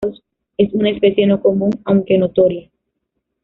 Es una especie no común aunque notoria.